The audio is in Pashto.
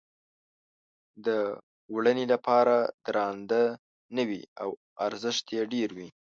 د وړنې لپاره درانده نه وي او ارزښت یې ډېر وي.